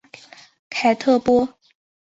凯特波。